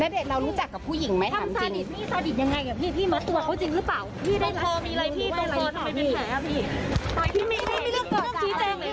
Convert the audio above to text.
โปรดติดตามตอนต่อไป